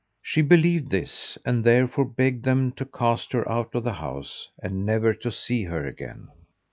She believed this, and therefore begged them to cast her out of the house and never to see her again.